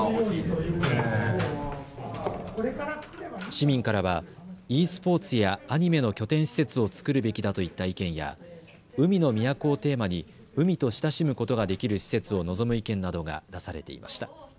市民からはｅスポーツやアニメの拠点施設を作るべきだといった意見や海の都をテーマに海と親しむことができる施設を望む意見などが出されていました。